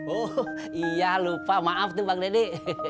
oh iya lupa maaf tuh bang deddy